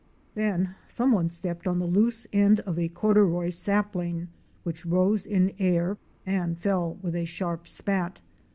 Then some one stepped on the loose end of a corduroy sapling which rose in air and fell with a sharp spat.